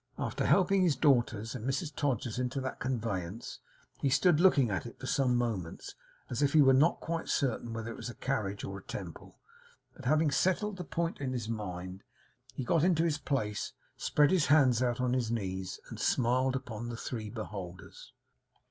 After helping his daughters and Mrs Todgers into that conveyance, he stood looking at it for some moments, as if he were not quite certain whether it was a carriage or a temple; but having settled this point in his mind, he got into his place, spread his hands out on his knees, and smiled upon the three beholders.